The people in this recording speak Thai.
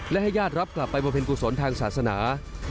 และให้ญาติรับกลับไปบริเวณกุศลทางศาสนา